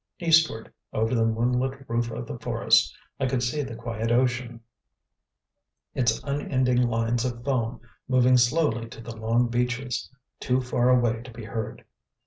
Eastward, over the moonlit roof of the forest, I could see the quiet ocean, its unending lines of foam moving slowly to the long beaches, too far away to be heard.